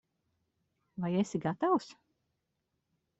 Vai esi gatavs?